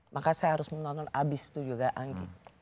maka saya harus menonton abis itu juga angki